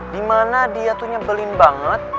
dimana dia tuh nyebelin banget